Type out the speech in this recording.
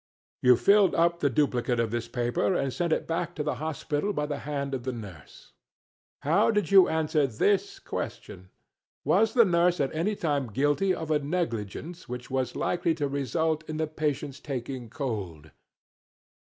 You filled up the duplicate of this paper, and sent it back to the hospital by the hand of the nurse. How did you answer this question 'Was the nurse at any time guilty of a negligence which was likely to result in the patient's taking cold?'